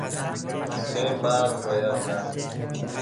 سه مرد و یک زن